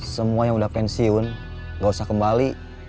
semua yang udah pensiun gak usah kembali